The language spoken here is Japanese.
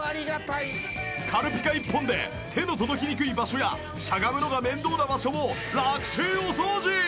軽ピカ一本で手の届きにくい場所やしゃがむのが面倒な場所もラクチンお掃除！